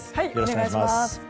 お願いします。